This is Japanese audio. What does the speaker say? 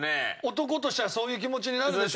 男としてはそういう気持ちになるでしょ？